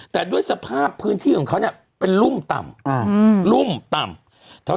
แต่ด้วยสภาพพื้นที่ของเขาเนี่ยเป็นรุ่มต่ำรุ่มต่ำ